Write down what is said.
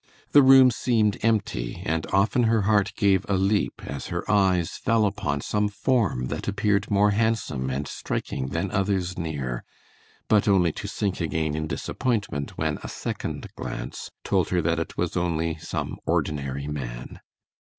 The room seemed empty, and often her heart gave a leap as her eyes fell upon some form that appeared more handsome and striking than others near, but only to sink again in disappointment when a second glance told her that it was only some ordinary man.